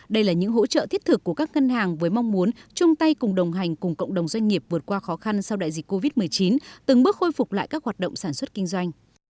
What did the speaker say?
đây là những hỗ trợ thiết thực của các ngân hàng với mong muốn chung tay cùng đồng hành cùng cộng đồng doanh nghiệp vượt qua khó khăn sau đại dịch covid một mươi chín từng bước khôi phục lại các hoạt động sản xuất kinh doanh